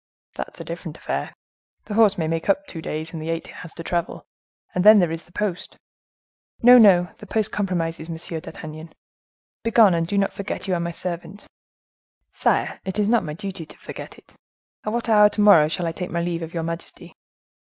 "That's a different affair. The horse may make up the two days, in the eight he has to travel; and then there is the post." "No, no, the post compromises, Monsieur d'Artagnan. Begone and do not forget you are my servant." "Sire, it is not my duty to forget it! At what hour to morrow shall I take my leave of your majesty?"